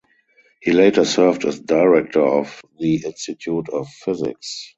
He later served as director of the Institute of Physics.